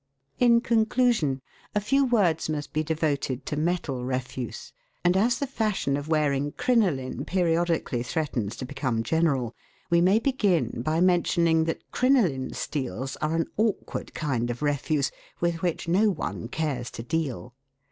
In conclusion, a few words must be devoted to metal refuse, and as the fashion of wearing crinoline periodically threatens to become general, we may begin by mentioning that crinoline steels are an awkward kind of re fuse, with which no one cares to deal.